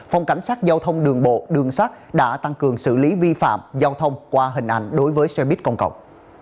phòng cảnh sát giao thông đường bộ đường sắt đã tăng cường xử lý vi phạm giao thông qua hình ảnh đối với xe buýt công cộng